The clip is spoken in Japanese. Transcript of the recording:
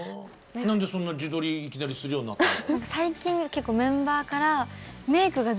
何でそんな自撮りいきなりするようになったの？